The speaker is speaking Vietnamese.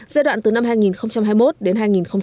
giai đoạn từ năm hai nghìn hai mươi một đến hai nghìn ba mươi